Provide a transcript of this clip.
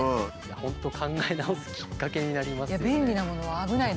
本当考え直すきっかけになりますよね。